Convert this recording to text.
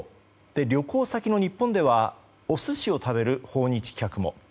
旅行先の日本ではお寿司を食べる訪日客も。